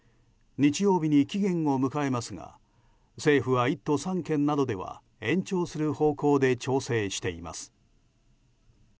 日曜日に期限を迎えますが政府は１都３県などでは延長する方向で調整しています。